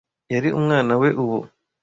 yari umwana we ubu